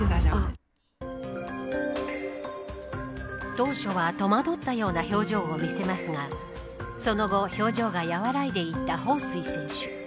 当初は戸惑ったような表情を見せますがその後、表情が和らいでいった彭帥選手。